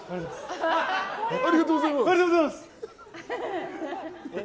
ありがとうございます！